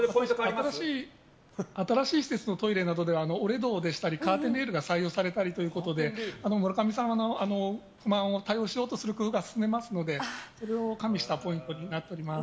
新しい施設のトイレなどでは折り戸でしたりカーテンレールが採用されたり村上様の不満を解消しようとする取り組みが進んでおりますのでそれを加味したポイントになっております。